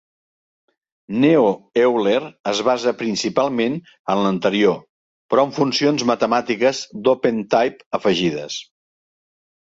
Neo Euler es basa principalment en l'anterior, però amb funcions matemàtiques d'OpenType afegides.